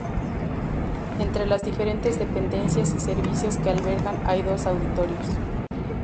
Entre las diferentes dependencias y servicios que alberga hay dos auditorios.